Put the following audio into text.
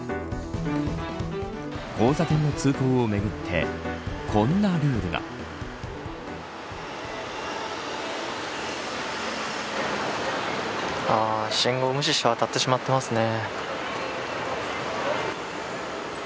交差点の通行をめぐってこんなルールが。信号無視して渡ってしまってますね。